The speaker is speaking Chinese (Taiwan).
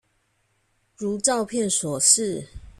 如照片所示